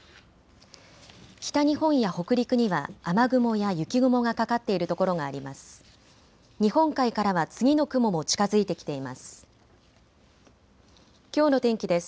北日本や北陸には雨雲や雪雲がかかっている所があります。